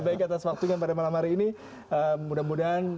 maksudnya waktu yang pada malam hari ini mudah mudahan